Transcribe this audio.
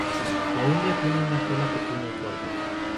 La hembra tiene una cola pequeña y corta.